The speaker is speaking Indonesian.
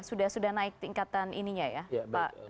sudah naik tingkatan ininya ya pak guntur